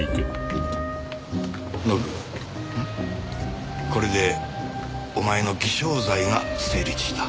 ノブこれでお前の偽証罪が成立した。